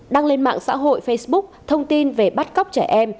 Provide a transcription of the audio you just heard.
đăng lên mạng xã hội facebook thông tin về bắt cóc trẻ em